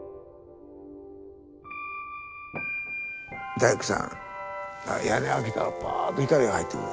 大工さんが屋根開けたらパーッと光が入ってくる。